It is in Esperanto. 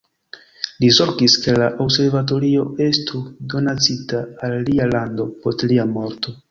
Li zorgis, ke la observatorio estu donacita al lia lando post lia morto.